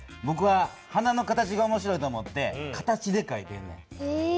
ぼくは花の形が面白いと思って形でかいてんねん。